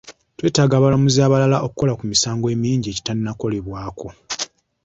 Twetaaga abalamuzi abalala okukola ku misango emingi egitannakolebwako.